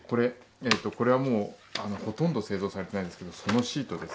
これはもうほとんど製造されてないんですけどソノシートですね。